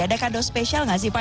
ada kado spesial nggak sih pak